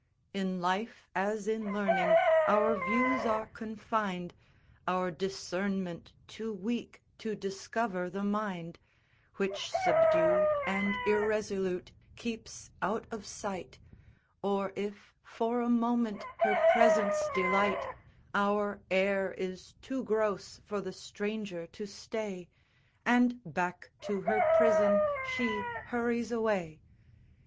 In life, as in learning, our views are confin'd, Our discernment too weak to discover the mind, Which, subdued and irresolute, keeps out of sight; Or if, for a moment, her presence delight, Our air is too gross for the stranger to stay; And, back to her prison she hurries away!